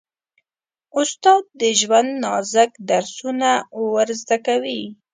استاد د ژوند نازک درسونه ور زده کوي.